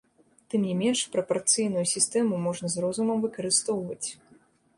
Тым не менш прапарцыйную сістэму можна з розумам выкарыстоўваць.